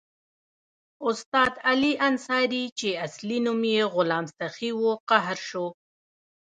استاد علي انصاري چې اصلي نوم یې غلام سخي وو قهر شو.